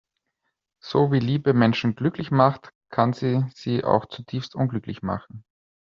So wie Liebe Menschen glücklich macht, kann sie sie auch zutiefst unglücklich machen.